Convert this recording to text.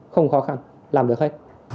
không khó khăn làm được hết